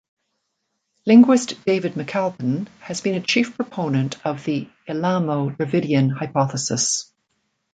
Linguist David McAlpin has been a chief proponent of the Elamo-Dravidian hypothesis.